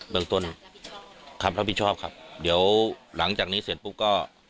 เมืองต้นคำรับผิดชอบครับเดี๋ยวหลังจากนี้เสร็จปุ๊บก็